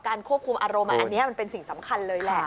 ควบคุมอารมณ์อันนี้มันเป็นสิ่งสำคัญเลยแหละ